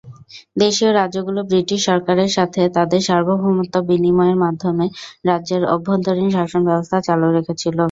দেশীয় রাজ্যগুলো ব্রিটিশ সরকারের সাথে তাদের সার্বভৌমত্ব বিনিময়ের মাধ্যমে রাজ্যের অভ্যন্তরীণ শাসন ব্যবস্থা চালু রেখেছিল।